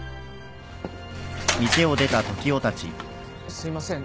すいません。